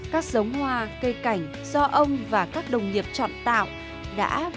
các sống hoa cây cảnh do ông và các đồng nghiệp chọn tạo đã và đang lựa chọn